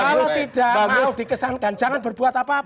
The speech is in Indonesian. kalau tidak harus dikesankan jangan berbuat apa apa